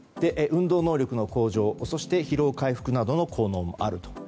運動能力の向上、そして疲労回復などの効能もあると。